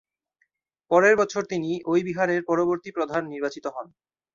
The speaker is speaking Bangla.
পরের বছর তিনি ঐ বিহারের পরবর্তী প্রধান নির্বাচিত হন।